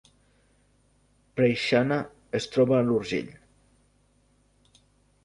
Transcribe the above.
Preixana es troba a l’Urgell